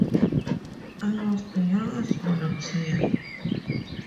I was the youngest volunteer.